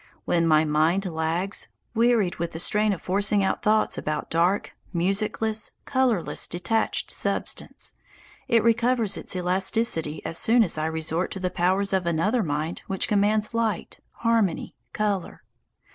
When my mind lags, wearied with the strain of forcing out thoughts about dark, musicless, colourless, detached substance, it recovers its elasticity as soon as I resort to the powers of another mind which commands light, harmony, colour.